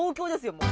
もう。